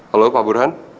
halo pak burhan